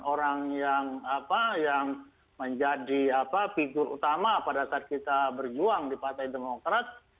orang yang menjadi figur utama pada saat kita berjuang di partai demokrat